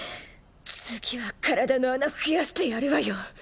次は体の穴増やしてやるわよ。